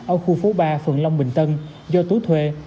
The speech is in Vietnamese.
ở khu phố ba phường long bình tân do tú thuê